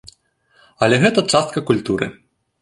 Але гэта частка культуры.